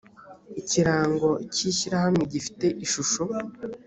ikirango cy’ishyirahamwe gifite ishusho